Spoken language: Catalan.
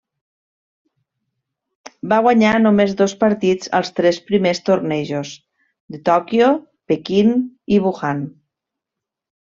Va guanyar només dos partits als tres primers tornejos, de Tòquio, Pequín i Wuhan.